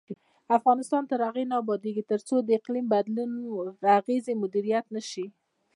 افغانستان تر هغو نه ابادیږي، ترڅو د اقلیم بدلون اغیزې مدیریت نشي.